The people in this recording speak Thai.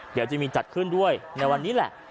เดี๋ยวจะมีจัดขึ้นด้วยในวันนี้แหละ